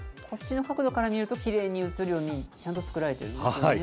こっちの角度から見ると、きれいに映るように、ちゃんと作られているんですね。